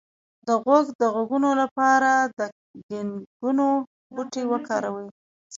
د غوږ د غږونو لپاره د ګینکګو بوټی وکاروئ